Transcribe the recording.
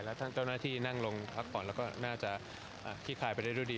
แล้วท่านเจ้าหน้าที่นั่งลงพักผ่อนแล้วก็น่าจะขี้คายไปได้ด้วยดี